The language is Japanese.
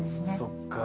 そっか。